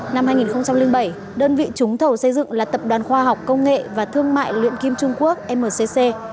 năm hai nghìn bảy đơn vị trúng thầu xây dựng là tập đoàn khoa học công nghệ và thương mại luyện kim trung quốc mcc